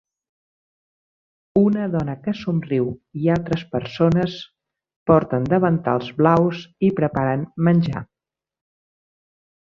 Una dona que somriu i altres persones porten davantals blaus i preparen menjar.